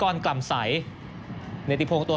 ส่วนที่สุดท้ายส่วนที่สุดท้าย